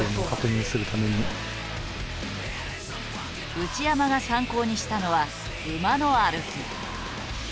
内山が参考にしたのは馬の歩き。